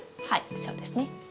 はいそうですね。